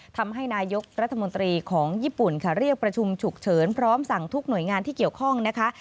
ทำให้นายกรัฐมนตรีของญี่ปุ่นค่ะเรียกประชุมฉุกเฉินพร้อมสั่งทุกหน่วยงานที่เกี่ยวข้องนะคะ